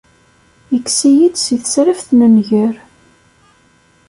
Ikkes-iyi-d si tesraft n nnger.